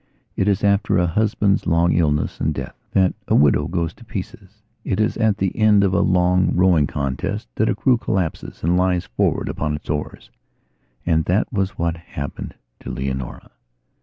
It is after a husband's long illness and death that a widow goes to pieces; it is at the end of a long rowing contest that a crew collapses and lies forward upon its oars. And that was what happened to Leonora.